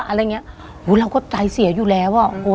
อะไรังเนี้ยหูเราก็ใจเสียอยู่แลว